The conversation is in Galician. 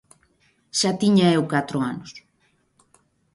Xa tiña eu catro anos.